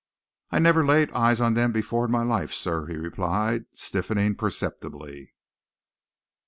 "I never laid eyes on them before in my life, sir," he replied, stiffening perceptibly.